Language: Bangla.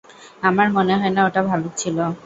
আমার মনে হয় না ওটা ভালুক ছিল।